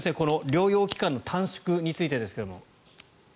療養期間の短縮についてですが。